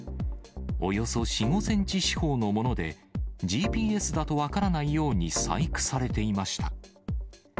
およそ４、５センチ四方のもので、ＧＰＳだと分からないように細工されていました。